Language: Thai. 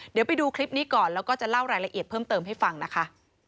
เดี๋ยวไปดูคลิปนี้ก่อนแล้วก็จะเล่ารายละเอียดเพิ่มเติมให้ฟังนะคะ